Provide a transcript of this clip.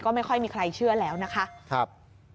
ไม่ค่อยมีใครเชื่อแล้วนะคะ